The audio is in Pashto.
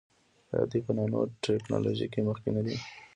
آیا دوی په نانو ټیکنالوژۍ کې مخکې نه دي؟